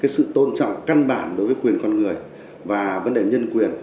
sự tôn trọng căn bản đối với quyền con người và vấn đề nhân quyền